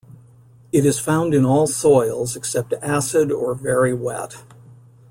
It is found in all soils except acid or very wet.